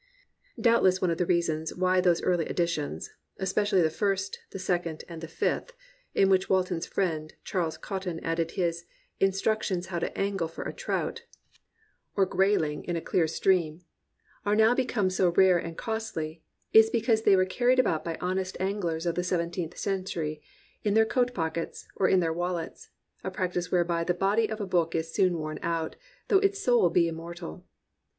Doubtless one of the reasons why those early edi tions, especially the first, the second, and the fifth, (in which Walton's friend Charles Cotton added his "Instructions How to Angle for a Trout or Grayling 291 COMPANIONABLE BOOKS in a Clear Stream,") are now become so rare and costly, is because they were carried about by honest anglers of the 17th Century in their coat pockets or in their wallets, a practice whereby the body of a book is soon worn out, though its soul be immortal.